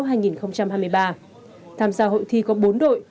tham gia hội thi có bốn đội